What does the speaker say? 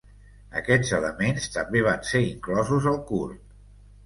Aquests elements també van ser inclosos al curt.